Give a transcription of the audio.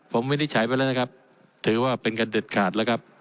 ผมวินิจฉัยไปแล้วนะครับถือว่าเป็นกันเด็ดขาดแล้วครับ